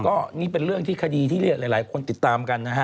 ก็นี่เป็นเรื่องที่คดีที่หลายคนติดตามกันนะฮะ